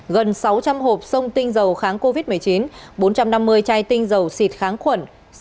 gần sáu trăm linh hộp sông tinh dầu kháng covid một mươi chín bốn trăm năm mươi chai tinh dầu xịt kháng khuẩn